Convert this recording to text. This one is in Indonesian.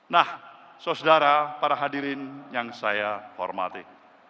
nah saudara para hadirin yang saya hormati